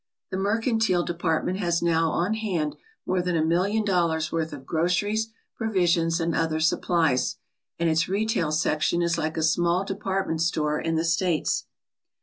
The mercantile department has now on hand more than a million dollars 3 worth of groceries, provisions, and other supplies, and its retail section is like a small department store in the States.